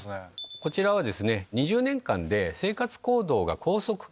こちらは２０年間で生活行動が高速化。